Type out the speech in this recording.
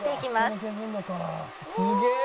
「すげえ！」